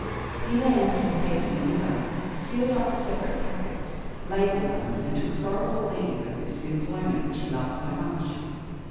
He then put his papers in order, sealed up the separate packets, labelled them, and took sorrowful leave of this employment which he loved so much.